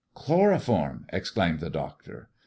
" Chloroform !" exclaimed the doctor.